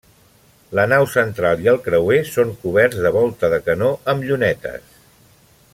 La nau central i el creuer són coberts de volta de canó amb llunetes.